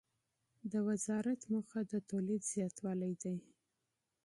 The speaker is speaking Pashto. د وزارت موخه د تولید زیاتوالی دی.